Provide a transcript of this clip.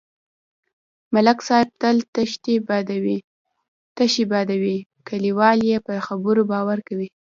ملک صاحب تل تشې بادوي، کلیوال یې په خبرو باور کوي.